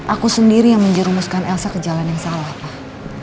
aku sendiri yang menjerumuskan elsa ke jalan yang salah pak